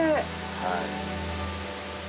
はい。